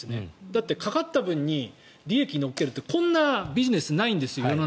だってかかった分に利益を乗っけるってこんなビジネス世の中にないんです。